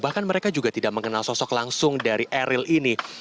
bahkan mereka juga tidak mengenal sosok langsung dari eril ini